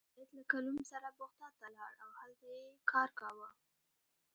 سید له کلوم سره بغداد ته لاړ او هلته یې کار کاوه.